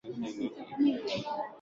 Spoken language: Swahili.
Magharibi nako mashariki pia